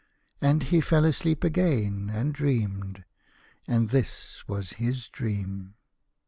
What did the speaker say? And he fell asleep again, and dreamed, and this was his dream.